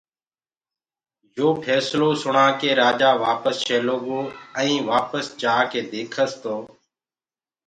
يو ڦيسلو سڻآ ڪي رآجآ وآپس چيلو گو ائين وآپس جآڪي ديکس تو